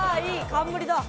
冠だ。